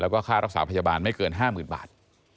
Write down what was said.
แล้วก็ค่ารักษาพยาบาลไม่เกิน๕๐๐๐บาท